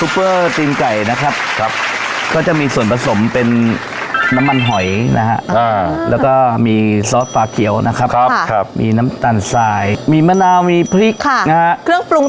มีน้ำตาลทรายมีมะนาวมีพริกค่ะนะฮะเครื่องปรุงต่างต่าง